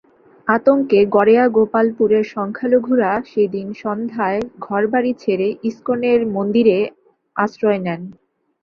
আতঙ্কে গড়েয়া গোপালপুরের সংখ্যালঘুরা সেদিন সন্ধ্যায় ঘরবাড়ি ছেড়ে ইসকনের মন্দিরে আশ্রয় নেন।